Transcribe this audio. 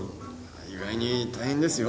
意外に大変ですよ